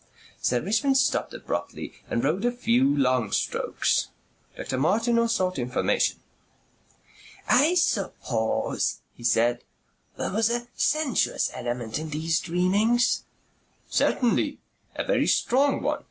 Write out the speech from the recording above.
Sir Richmond stopped abruptly and rowed a few long strokes. Dr. Martineau sought information. "I suppose," he said, "there was a sensuous element in these dreamings?" "Certainly. A very strong one.